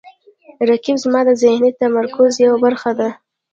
رقیب زما د ذهني تمرکز یوه برخه ده